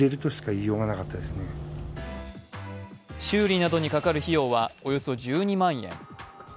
修理などにかかる費用はおよそ１２万円。